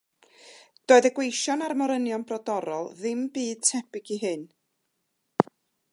Doedd y gweision a'r morynion brodorol ddim byd tebyg i hyn.